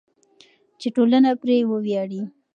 چې ټولنه پرې وویاړي.